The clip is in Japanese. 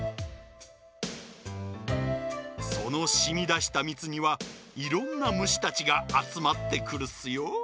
そのしみだしたみつにはいろんなむしたちがあつまってくるっすよ。